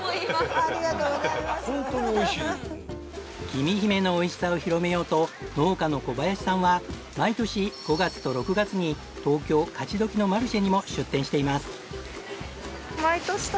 きみひめのおいしさを広めようと農家の小林さんは毎年５月と６月に東京勝どきのマルシェにも出店しています。